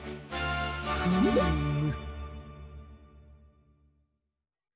フーム。